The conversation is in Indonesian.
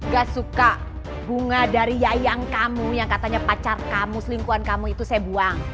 gak suka bunga dari wayang kamu yang katanya pacar kamu selingkuhan kamu itu saya buang